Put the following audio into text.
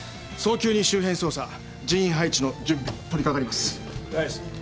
早急に周辺捜査人員配置の準備に取り掛かります。